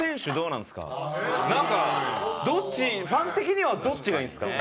なんかどっちファン的にはどっちがいいんですか？